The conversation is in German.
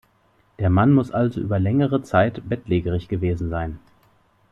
Der Mann muss also über längere Zeit bettlägerig gewesen sein.